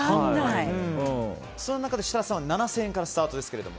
その中で、設楽さんは７０００円からスタートですが。